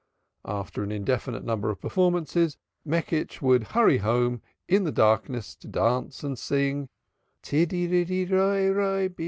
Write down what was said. After an indefinite number of performances Meckisch would hurry home in the darkness to dance and sing "Tiddy, riddy, roi, toi, bim, bom."